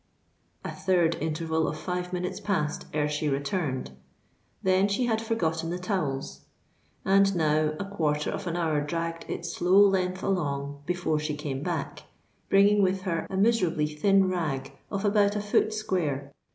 A third interval of five minutes passed, ere she returned. Then she had forgotten the towels; and now a quarter of an hour dragged its slow length along before she came back, bringing with her a miserably thin rag of about a foot square.